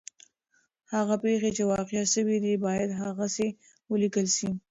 هغه پېښې چي واقع سوي دي باید هغسي ولیکل سي.